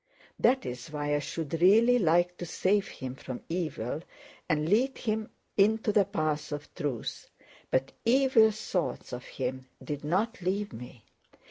That is why I should really like to save him from evil and lead him into the path of truth, but evil thoughts of him did not leave me.